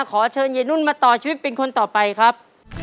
ขอเชิญยายนุ่นมาต่อชีวิตเป็นคนต่อไปครับ